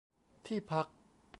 ที่พัก